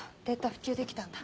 復旧できたんだ。